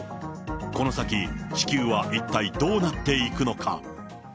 この先、地球は一体どうなっていくのか。